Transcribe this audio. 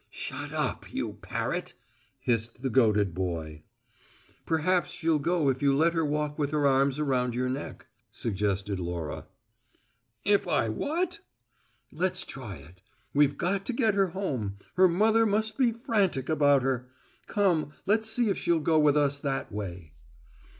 "Shut up, you parrot!" hissed the goaded boy. "Perhaps she'll go if you let her walk with her arms round your neck," suggested Laura. "If I what?" "Let's try it. We've got to get her home; her mother must be frantic about her. Come, let's see if she'll go with us that way."